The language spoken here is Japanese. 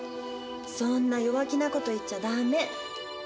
そんな弱気なこと言っちゃ駄目。